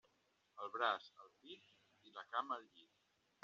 El braç, al pit; i la cama, al llit.